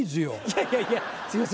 いやいやいやすいません